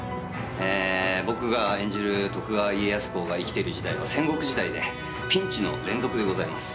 ボクが演じる徳川家康公が生きている時代は戦国時代でピンチの連続でございます。